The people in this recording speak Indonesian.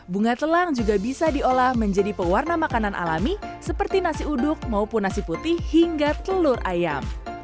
bunga telang juga bisa diolah menjadi pewarna makanan alami seperti nasi uduk maupun nasi putih hingga telur ayam